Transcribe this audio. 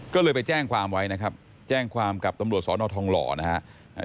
ก็เลยไปแจ้งความไว้นะครับแจ้งความกับตำรวจสอนอทองหล่อนะฮะ